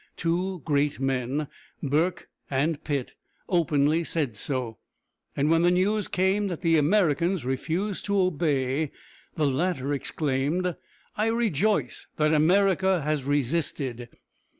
Two great men, Burke and Pitt, openly said so; and when the news came that the Americans refused to obey, the latter exclaimed: "I rejoice that America has resisted.